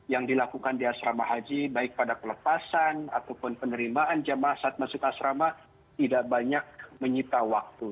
yang dilakukan di asrama haji baik pada pelepasan ataupun penerimaan jamaah saat masuk asrama tidak banyak menyita waktu